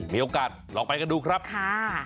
มีโอกาสลองไปกันดูครับค่ะ